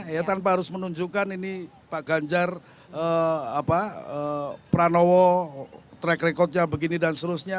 ya tanpa harus menunjukkan ini pak ganjar pranowo track recordnya begini dan seterusnya